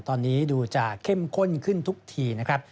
ตอนนี้ดูจะเข้มข้นขึ้นทุกทีนะครับ